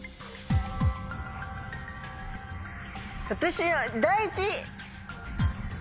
私は。